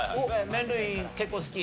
麺類結構好き？